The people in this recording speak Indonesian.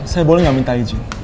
saya boleh nggak minta izin